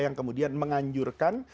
yang kemudian menganjurkan